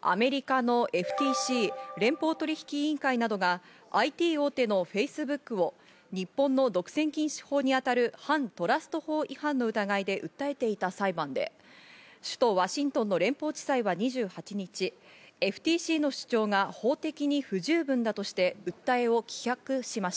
アメリカのＦＴＣ＝連邦取引委員会などがＩＴ大手のＦａｃｅｂｏｏｋを日本の独占禁止法にあたる反トラスト法違反の疑いで訴えていた裁判で、首都ワシントンの連邦地裁は２８日、ＦＴＣの主張が法的に不十分だとして訴えを棄却しました。